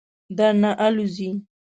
درنه آلوځي.